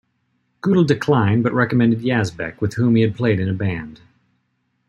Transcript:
Guettel declined, but recommended Yazbek, with whom he had played in a band.